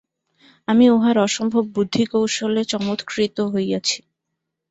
আমি উহার অসম্ভব বুদ্ধিকৌশলে চমৎকৃত হইয়াছি।